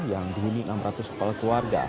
yang dihuni enam ratus kepala keluarga